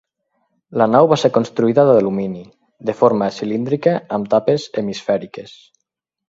La nau va ser construïda d'alumini, de forma cilíndrica amb tapes hemisfèriques.